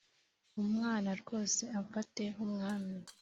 Umwana rwose amfate nk’umwami